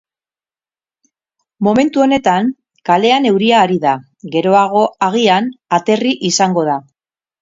Momentu honetan kalean euria ari da, geroago, agian, aterri izango da.